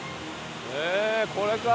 えこれか！